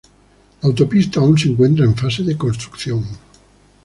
La autopista aún se encuentra en fase de construcción.